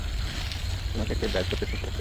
তোকে কে ড্রাইভ করতে শিখিয়েছে?